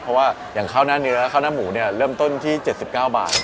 เพราะว่าอย่างข้าวหน้าเนื้อข้าวหน้าหมูเนี่ยเริ่มต้นที่๗๙บาท